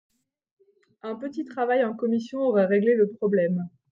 Un petit travail en commission aurait réglé le problème.